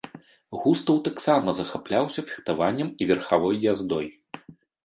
Густаў таксама захапляўся фехтаваннем і верхавой яздой.